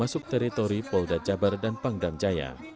subteritori polda cabar dan pangdam jaya